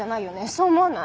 そう思わない？